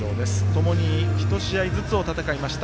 ともに一試合ずつを戦いました。